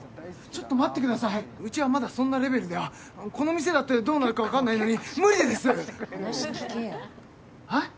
ちょっと待ってくださいうちはまだそんなレベルではこの店だってどうなるか分かんないのに無理です話聞けよはい？